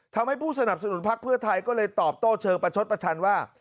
ทำให้ผู้สนับสนุนพักเพื่อไทยก็เลยตอบโต้เชิงประชดประชันว่า